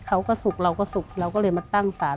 สุกเราก็สุขเราก็เลยมาตั้งสาร